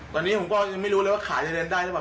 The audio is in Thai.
ตอนนี้ผมก็ยังไม่รู้เลยว่าขาจะเดินได้หรือเปล่า